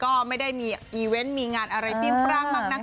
ก็ไม่ได้มีอีเวนต์มีงานอะไรเปรี้ยงปร่างมากนัก